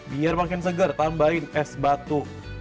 biar makin seger tambahin es batu